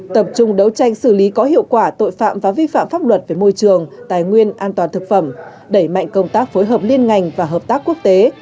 tập trung đấu tranh xử lý có hiệu quả tội phạm và vi phạm pháp luật về môi trường tài nguyên an toàn thực phẩm đẩy mạnh công tác phối hợp liên ngành và hợp tác quốc tế